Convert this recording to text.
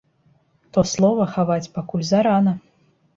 То слова хаваць пакуль зарана.